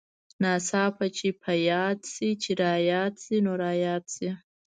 ناڅاپه چې په ياد شې چې راياد شې نو راياد شې.